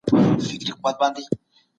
کلینیکونه باید رسمي جواز ولري.